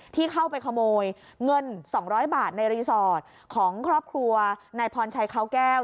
ที่เข้าไปขโมยเงิน๒๐๐บาทในรีสอร์ทของครอบครัวนายพรชัยเขาแก้ว